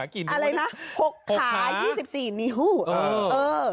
กี่หนึ่งเนี่ย๖ขา๒๔นิ้วเออ